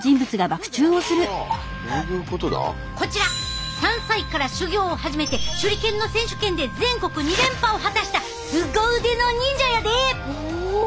こちら３歳から修行を始めて手裏剣の選手権で全国２連覇を果たしたすご腕の忍者やで！